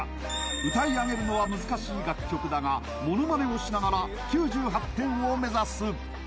歌い上げるのは難しい楽曲だがモノマネをしながら９８点を目指すおお！